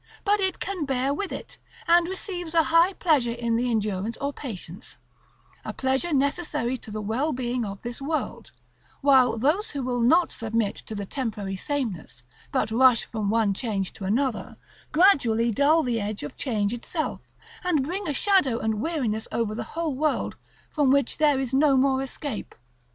But it can bear with it, and receives a high pleasure in the endurance or patience, a pleasure necessary to the well being of this world; while those who will not submit to the temporary sameness, but rush from one change to another, gradually dull the edge of change itself, and bring a shadow and weariness over the whole world from which there is no more escape.